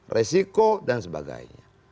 resiko dan sebagainya